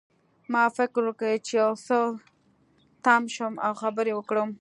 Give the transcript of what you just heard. ما فکر وکړ چې یو څه تم شم او خبرې وکړم